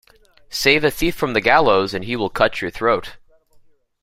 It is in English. Save a thief from the gallows and he will cut your throat.